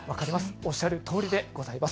おっしゃるとおりでございます。